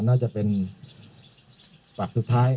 น่าจะเป็นฝักสุดท้าย